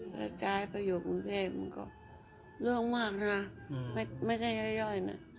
แล้วจะให้ไปอยู่กรุงเทพมันก็เรื่องมากนะไม่ใช่ย่อยนะ